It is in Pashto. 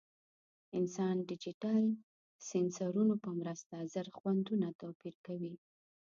انسان د ډیجیټل سینسرونو په مرسته زر خوندونه توپیر کوي.